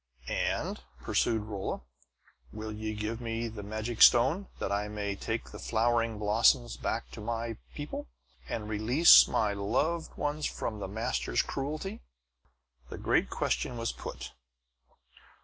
"And," pursued Rolla, "will ye give me the magic stone, that I may take the flowing blossoms back to my people, and release my loved one from the masters' cruelty?" The great question was put!